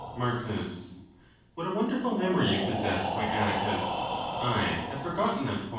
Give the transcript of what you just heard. Marcus.—What a wonderful memory you possess, my Atticus! I had forgotten that.